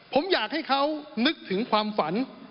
ผมอยากให้เขานึกถึงความฝัน